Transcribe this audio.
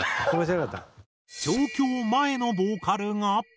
調教前のボーカルが。